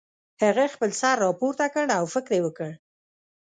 هغه خپل سر راپورته کړ او فکر یې وکړ